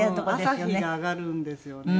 朝日が上がるんですよね。